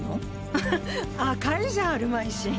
アハッ赤井じゃあるまいし。